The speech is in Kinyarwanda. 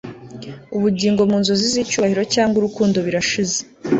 ubugingo mu nzozi zicyubahiro cyangwa urukundo birashize